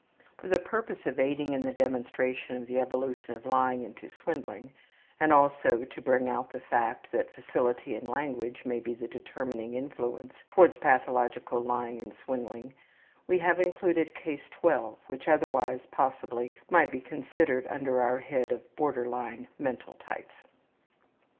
For the purpose of aiding in the demonstration of the evolution of lying into swindling, and also to bring out the fact that facility in language may be the determining influence towards pathological lying and swindling, we have included Case 12, which otherwise possibly might be considered under our head of border line mental types.